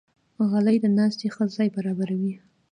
غلۍ د ناستې ښه ځای برابروي.